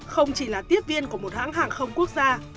không chỉ là tiếp viên của một hãng hàng không quốc gia